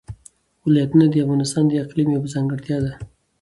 ولایتونه د افغانستان د اقلیم یوه ځانګړتیا ده.